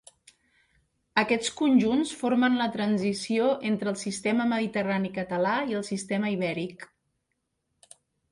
Aquests conjunts formen la transició entre el Sistema Mediterrani Català i el Sistema Ibèric.